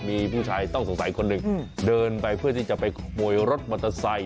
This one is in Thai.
มีผู้ชายต้องสงสัยคนหนึ่งเดินไปเพื่อที่จะไปขโมยรถมอเตอร์ไซค